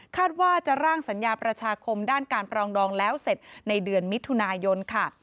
ว่าจะร่างสัญญาประชาคมด้านการปรองดองแล้วเสร็จในเดือนมิถุนายนค่ะ